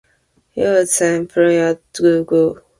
He was an employee at Google.